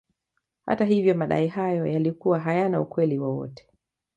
Hata hivyo madai hayo yalikuwa hayana ukweli wowote